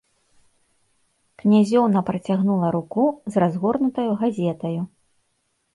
Князёўна працягнула руку з разгорнутаю газетаю.